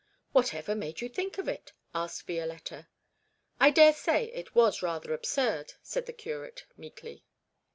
'Whatever made you think of it?' asked Violetta. 'I daresay it was rather absurd,' said the curate meekly.